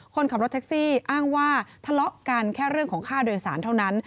คนขับรถแท็กซี่อ้างว่าทะเลาะกันแค่เรื่องของค่าโดยสารเท่านั้น